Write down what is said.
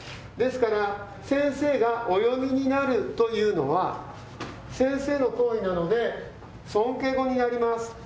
ですから先生がお読みになるというのは、先生の行為なので尊敬語になります。